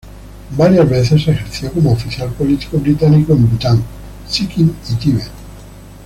Varias veces ejerció como oficial político británico en Bután, Sikkim y Tibet.